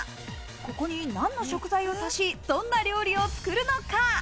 ここに何の食材を足し、どんな料理を作るのか。